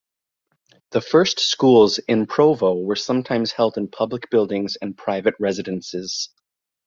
The first schools in Provo were sometimes held in public buildings and private residences.